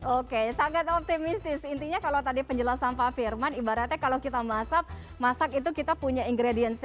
oke sangat optimistis intinya kalau tadi penjelasan pak firman ibaratnya kalau kita masak masak itu kita punya ingredientnya